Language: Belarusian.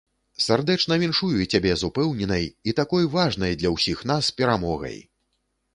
Сардэчна віншую цябе з упэўненай і такой важнай для ўсіх нас перамогай!